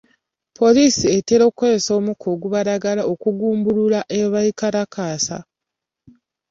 Poliisi etera okukozesa omukka ogubalagala okugumbulula abeekalakaasa.